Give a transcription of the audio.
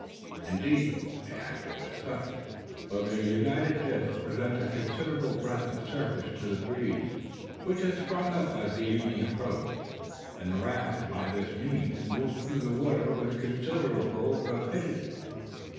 Indeed, they acted as such; for their united discs presented a considerable breadth of surface to the breeze, which had sprung up as the evening approached, and the raft by this means moved through the water with considerable rapidity.